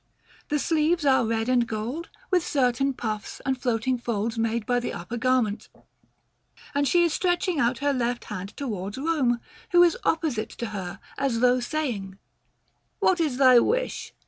The sleeves are red and gold, with certain puffs and floating folds made by the upper garment, and she is stretching out her left hand towards Rome, who is opposite to her, as though saying, "What is thy wish?